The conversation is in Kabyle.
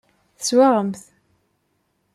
Teswaɣem-t.